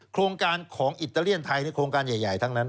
โครงการของอิตาเลียนไทยในโครงการใหญ่ทั้งนั้น